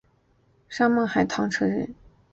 沙孟海塘溪镇沙村人。